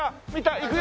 いくよ！